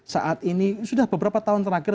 saat ini sudah beberapa tahun terakhir